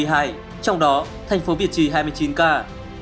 trong đó thành phố việt trì hai mươi chín ca